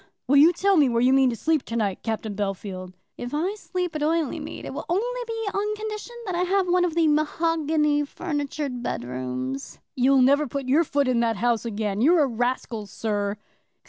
"Will you tell me where you mean to sleep to night, Captain Bellfield?" "If I sleep at Oileymead it will only be on condition that I have one of the mahogany furnitured bedrooms." "You'll never put your foot in that house again. You're a rascal, sir."